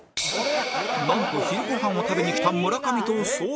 なんと昼ごはんを食べに来た村上と遭遇